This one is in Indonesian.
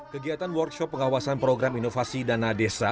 kegiatan workshop pengawasan program inovasi dana desa